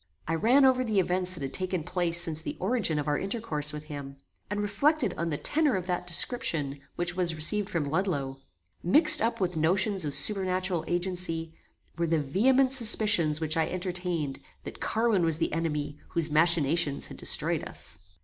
I ran over the events that had taken place since the origin of our intercourse with him, and reflected on the tenor of that description which was received from Ludloe. Mixed up with notions of supernatural agency, were the vehement suspicions which I entertained, that Carwin was the enemy whose machinations had destroyed us.